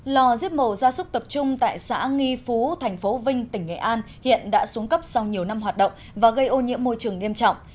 lò giếp mổ gia súc tập trung tại xã nghi phú thành phố vinh tỉnh nghệ an hiện đã xuống cấp sau nhiều năm hoạt động và gây ô nhiễm môi trường nghiêm trọng